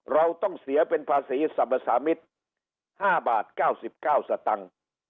เราต้องเสียเป็นภาษีสรรพสามิตร๕บาท๙๙สตังค์